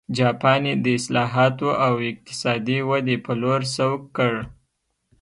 جاپان یې د اصلاحاتو او اقتصادي ودې په لور سوق کړ.